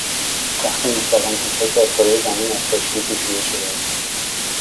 بخش نسبتا کوچکی از کرهی زمین از خشکی پوشیده شده است.